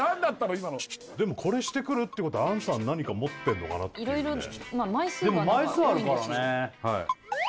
今のでもこれしてくるってことは杏さん何か持ってんのかなって色々枚数があったから多いんですよ